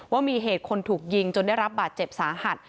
ว่ามีเหตุคนถูกยิงจนได้รับบาดเจ็บสาหัส